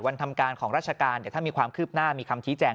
ทำการของราชการเดี๋ยวถ้ามีความคืบหน้ามีคำชี้แจง